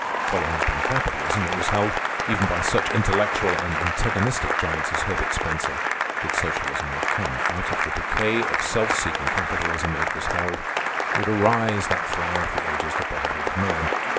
Following upon Capitalism, it was held, even by such intellectual and antagonistic giants as Herbert Spencer, that Socialism would come. Out of the decay of self seeking capitalism, it was held, would arise that flower of the ages, the Brotherhood of Man.